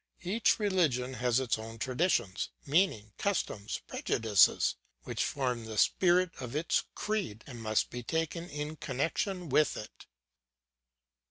Each religion has its own traditions, meaning, customs, prejudices, which form the spirit of its creed, and must be taken in connection with it.